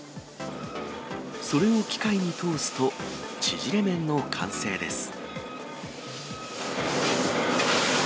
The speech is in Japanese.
それを機械に通すと、縮れ麺の完成です。